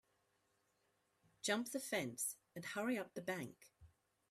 Jump the fence and hurry up the bank.